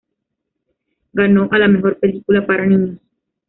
Ganó a la mejor película para niños.